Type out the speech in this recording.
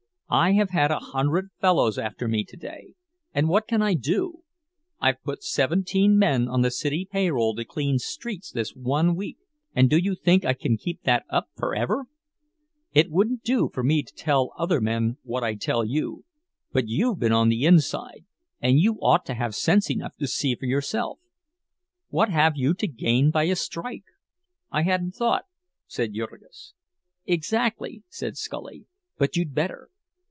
I have had a hundred fellows after me today, and what can I do? I've put seventeen men on the city payroll to clean streets this one week, and do you think I can keep that up forever? It wouldn't do for me to tell other men what I tell you, but you've been on the inside, and you ought to have sense enough to see for yourself. What have you to gain by a strike?" "I hadn't thought," said Jurgis. "Exactly," said Scully, "but you'd better.